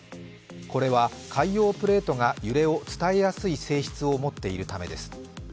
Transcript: これは海洋プレートが揺れを伝えやすい性質を持っているためです。